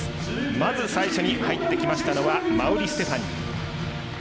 まず最初に入ってきましたのは馬瓜ステファニー。